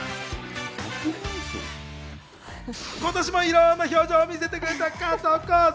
今年もいろんな表情を見せてくれた加藤浩次。